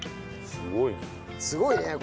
すごいねえ。